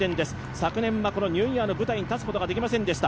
昨年はこのニューイヤーの舞台に立つことができませんでした。